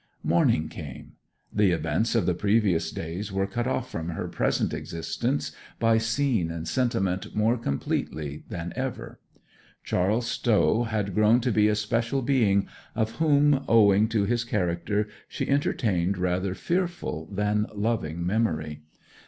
Morning came. The events of the previous days were cut off from her present existence by scene and sentiment more completely than ever. Charles Stow had grown to be a special being of whom, owing to his character, she entertained rather fearful than loving memory.